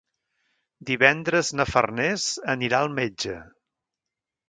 Divendres na Farners anirà al metge.